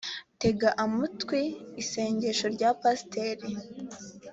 tega amatwi isengesho ryapasiteri